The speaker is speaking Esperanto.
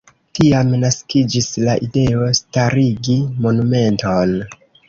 Tiam naskiĝis la ideo starigi monumenton.